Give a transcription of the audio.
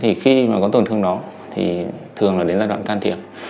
thì khi mà có tổn thương đó thì thường là đến giai đoạn can thiệp